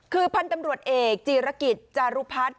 คือพันธุ์ตำรวจเอกจีรกิจจารุพัฒน์